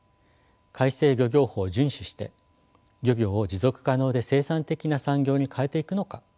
改正漁業法を順守して漁業を持続可能で生産的な産業にかえていくのか。